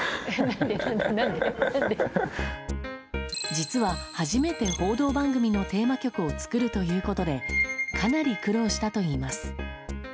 実は、初めて報道番組のテーマ曲を作るということでかなり苦労したといいます。